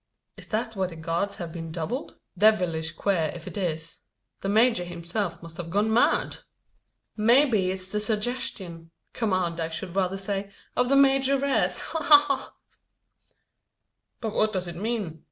"Is that why the guards have been doubled? Devilish queer if it is. The major himself must have gone mad!" "Maybe it's the suggestion command I should rather say of the majoress. Ha! ha! ha!" "But what does it mean?